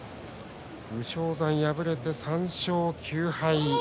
武将山、敗れて３勝９敗。